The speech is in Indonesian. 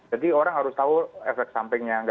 jadi orang harus tahu efek sampingnya